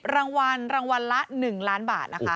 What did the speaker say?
รางวัลรางวัลละ๑ล้านบาทนะคะ